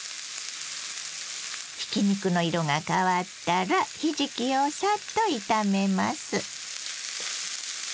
ひき肉の色が変わったらひじきをさっと炒めます。